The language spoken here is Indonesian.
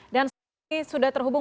dan selanjutnya ini sudah terhubung